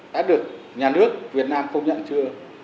đã được nhà nước việt nam công nhận chưa